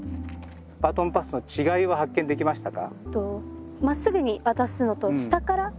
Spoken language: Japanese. バトンパスの違いは発見できましたか？